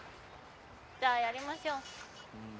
ゃあやりましょう。